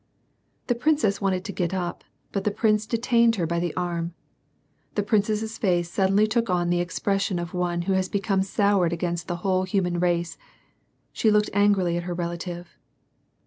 The princess wanted to get up, but the prince detained her by the arm. The princess's face suddenly took on the expres sion of one who has become soured against the whole human race ; she looked angrily at her relative.